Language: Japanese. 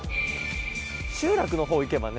集落のほう行けばね。